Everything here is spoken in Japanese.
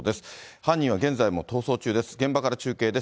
犯人は現在も逃走中です。